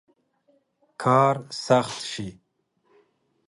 کار سخت شي.